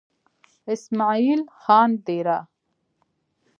اسمعيل خان ديره